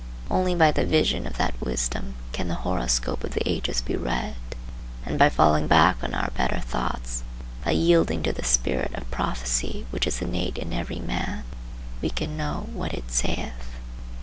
Only by the vision of that Wisdom can the horoscope of the ages be read, and by falling back on our better thoughts, by yielding to the spirit of prophecy which is innate in every man, we can know what it saith.